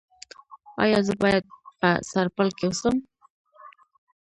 ایا زه باید په سرپل کې اوسم؟